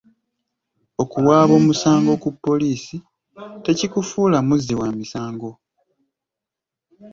Okuwaaba omusango ku poliisi tekikufuula muzzi wa misango.